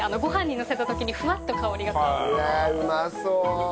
うわあうまそう！